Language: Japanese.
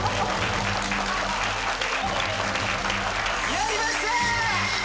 やりました！